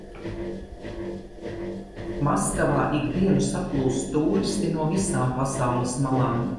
Maskavā ik dienu saplūst tūristi no visām pasaules malām.